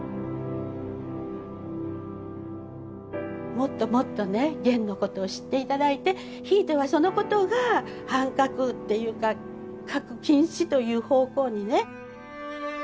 もっともっとね『ゲン』のことを知っていただいてひいてはそのことが反核っていうか核禁止という方向にね。